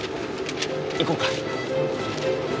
行こうか。